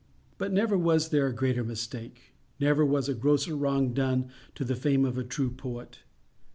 _But never was there a greater mistake. Never was a grosser wrong done the fame of a true poet.